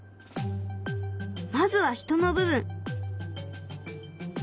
まずは人の部分。